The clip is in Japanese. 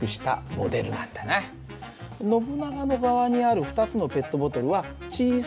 ノブナガの側にある２つのペットボトルは小さい石と水を表してるんだ。